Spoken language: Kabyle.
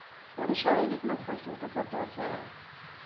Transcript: Ulac aɣilif ma txellṣem tafatuṛt-a?